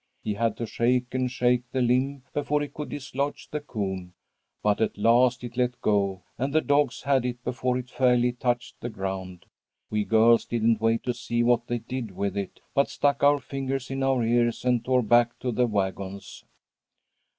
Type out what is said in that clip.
He had to shake and shake the limb before he could dislodge the coon, but at last it let go, and the dogs had it before it fairly touched the ground. We girls didn't wait to see what they did with it, but stuck our fingers in our ears and tore back to the wagons.